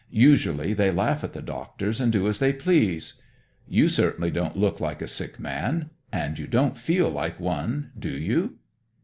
Usually they laugh at the doctors and do as they please. You certainly don't look like a sick man, and you don't feel like one, do you?"